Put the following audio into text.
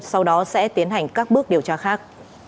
sau đó sẽ tiến hành các bước điều tra khác